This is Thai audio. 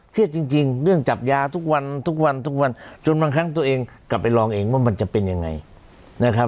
จริงเรื่องจับยาทุกวันทุกวันทุกวันจนบางครั้งตัวเองกลับไปลองเองว่ามันจะเป็นยังไงนะครับ